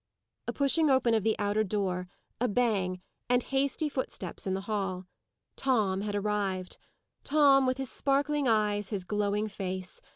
A pushing open of the outer door, a bang, and hasty footsteps in the hall. Tom had arrived. Tom, with his sparkling eyes, his glowing face.